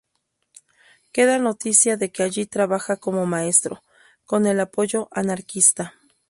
Queda noticia de que allí trabaja como maestro, con el apoyo anarquista.